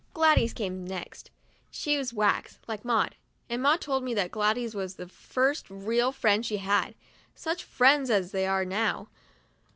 Gladys came next; she's wax, like Maud, and Maud told me that Gladys was the first real friend she had. Such friends as they are now!